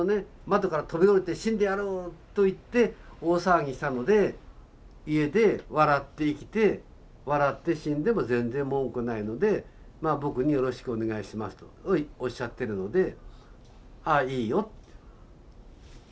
窓から飛び降りて死んでやろうと言って大騒ぎしたので家で笑って生きて笑って死んでも全然文句ないのでまあ僕によろしくお願いしますとおっしゃってるのであいいよって。